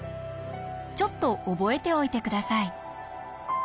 ちょっと覚えておいて下さい。